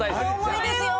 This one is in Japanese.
重いですよ。